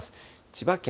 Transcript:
千葉県